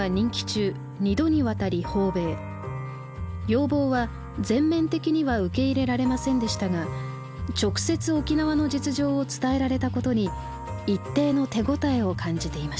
要望は全面的には受け入れられませんでしたが直接沖縄の実情を伝えられたことに一定の手応えを感じていました。